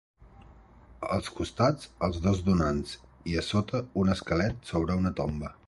Als costats els dos donants i a sota un esquelet sobre una tomba.